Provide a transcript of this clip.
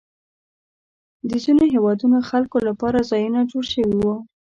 د ځینو هېوادونو خلکو لپاره ځایونه جوړ شوي وو.